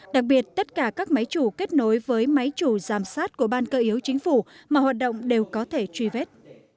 đặc biệt tất cả các máy chủ kết nối với máy chủ giám sát của ban cơ yếu chính phủ mà hoạt động đều có thể truy vết